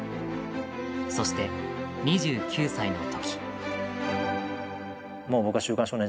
そして２９歳の時。